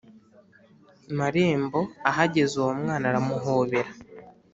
marembo Ahageze uwo mwana aramuhobera